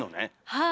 はい。